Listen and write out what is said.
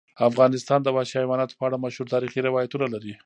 افغانستان د وحشي حیواناتو په اړه مشهور تاریخی روایتونه لري.